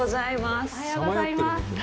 おはようございます。